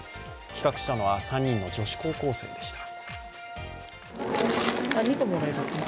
企画したのは３人の女子高校生でした。